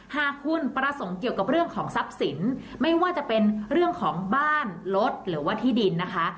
หากคุณประสงค์เกี่ยวกับเรื่องของทรัพย์สินไม่ว่าจะเป็นเรื่องของบ้านรถหรือว่าที่ดินนะคะ